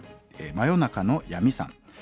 真夜中の闇さん。